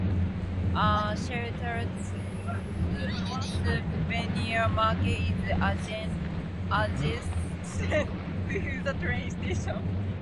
A sheltered souvenir market is adjacent to the train station.